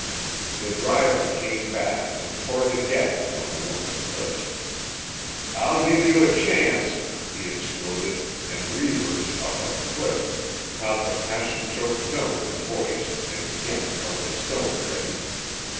The driver came back and tore the gag from the woman's lips. "I'll give you a chance," he exploded, and Reivers, up on the cliff, caught the passion choked note in voice and again held the stone ready.